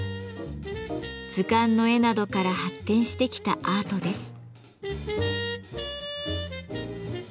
図鑑の絵などから発展してきたアートです。